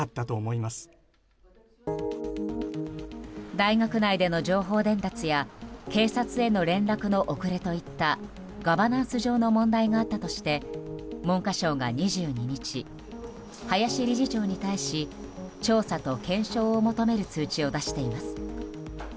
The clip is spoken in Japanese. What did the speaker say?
大学内での情報伝達や警察への連絡の遅れといったガバナンス上の問題があったとして文科省が２２日、林理事長に対し調査と検証を求める通知を出しています。